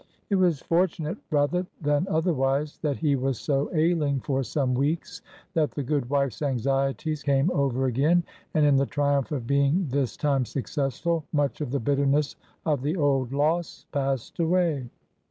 It was fortunate rather than otherwise that he was so ailing for some weeks that the good wife's anxieties came over again, and, in the triumph of being this time successful, much of the bitterness of the old loss passed away.